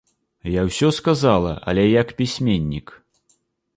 Я ўсё сказала, але як пісьменнік.